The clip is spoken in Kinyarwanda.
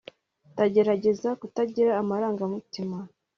ndagerageza kutagira amarangamutima